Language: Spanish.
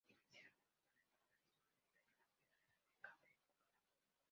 Inicialmente sólo estaba disponible en la operadora de cable Ono.